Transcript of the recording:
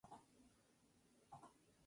Conoció y tuvo gran amistad con Graham Greene.